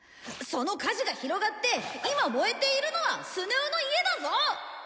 「その火事が広がって今燃えているのはスネ夫の家だぞ！」